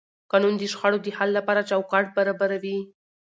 قانون د شخړو د حل لپاره چوکاټ برابروي.